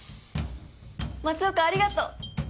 松岡ありがとう！